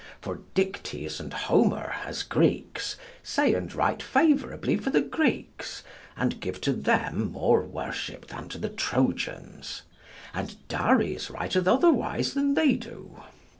For Dictes and Homer, as Greeks, say and write favorably for the Greeks, and give to them more worship than to the Trojans; and Dares writeth otherwise than they do.